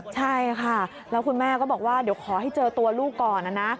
ใช่ค่ะแล้วคุณแม่ก็บอกว่าเดี๋ยวขอให้เจอตัวลูกก่อนนะนะ